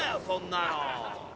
そんなの。